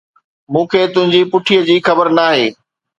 مون کي تنهنجي پٺي جي خبر ناهي!